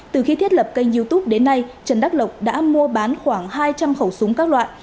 từ khi thiết lập kênh youtube đến nay trần đắc lộc đã mua bán khoảng hai trăm linh khẩu súng các loại